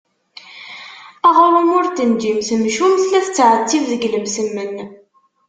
Aɣrum ur t-tenǧim temcumt, la tettɛettib deg lemsemmen.